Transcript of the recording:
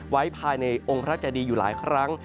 ไว้ภายในองค์พระเจดีอยู่หลายครั้ง